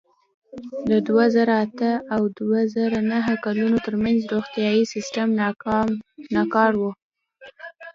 د دوه زره اته او دوه زره نهه کلونو ترمنځ روغتیايي سیستم ناکار و.